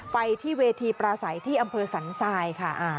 ไปที่เวทีปราศัยที่อำเภอสันทรายค่ะ